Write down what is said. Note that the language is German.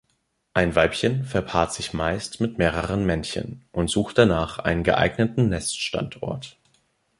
Ein Weibchen verpaart sich meist mit mehreren Männchen und sucht danach einen geeigneten Neststandort.